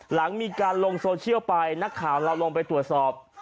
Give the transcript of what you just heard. หลังมีการลงโซเชียลไปนักข่าวเราลงไปตรวจสอบ